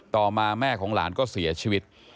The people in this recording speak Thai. ต่อมาแม่ของหลานก็เสียชีวิต